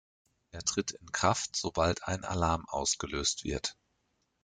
Er tritt in Kraft, sobald ein Alarm ausgelöst wird.